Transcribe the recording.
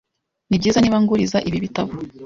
Nibyiza niba nguriza ibi bitabo?